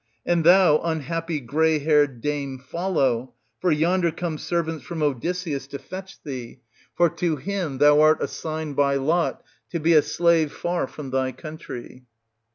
And thou, unhappy grey haired dame, follow ; for yonder come servants from Odysseus to fetch thee, for to him thou art assigned by lot to be a slave far from thy country.